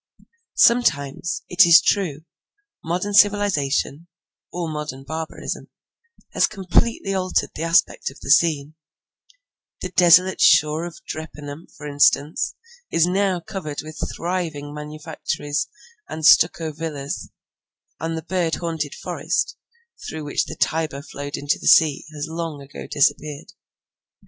Sometimes, it is true, modern civilisation, or modern barbarism, has completely altered the aspect of the scene; the 'desolate shore of Drepanum,' for instance ('Drepani illaetabilis ora') is now covered with thriving manufactories and stucco villas, and the 'bird haunted forest' through which the Tiber flowed into the sea has long ago disappeared.